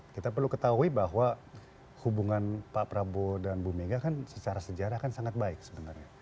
kita perlu ketahui bahwa hubungan pak prabowo dan bu mega kan secara sejarah kan sangat baik sebenarnya